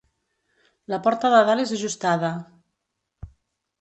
La porta de dalt és ajustada.